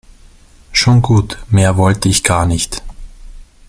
Schon gut, mehr wollte ich gar nicht.